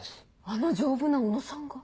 あの丈夫な小野さんが？